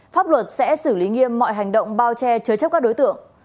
pháp luật sẽ xử lý nghiêm mọi hành động bao che chứa chấp các đối tượng